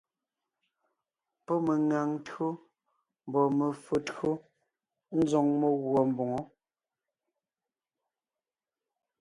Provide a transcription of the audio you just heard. Pɔ́ meŋaŋ tÿǒ mbɔɔ me[o tÿǒ ńzoŋ meguɔ mboŋó.